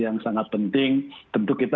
yang sangat penting tentu kita